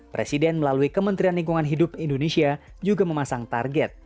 presiden melalui kementerian lingkungan hidup indonesia juga memasang target